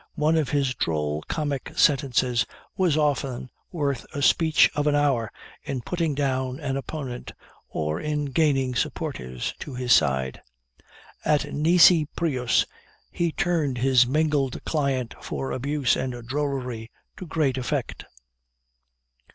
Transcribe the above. One of his droll comic sentences was often worth a speech of an hour in putting down an opponent, or in gaining supporters to his side. At Nisi Prius, he turned his mingled talent for abuse and drollery to great effect.